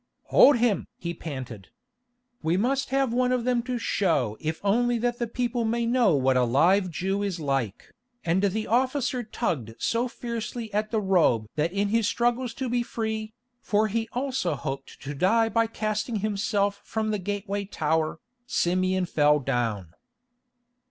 "Hold him!" he panted. "We must have one of them to show if only that the people may know what a live Jew is like," and the officer tugged so fiercely at the robe that in his struggles to be free, for he also hoped to die by casting himself from the gateway tower, Simeon fell down.